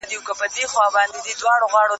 زه خپل راتلونکی جوړوم.